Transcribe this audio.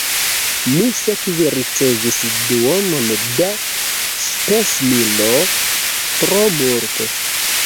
Mi sekve ricevis duonon da spesmilo tro multe.